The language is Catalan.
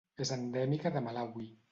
És endèmica de Malawi.